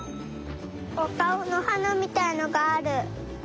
おかおのはなみたいのがある。